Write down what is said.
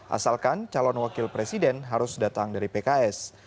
asalkan calon wakil presiden harus datang dari pks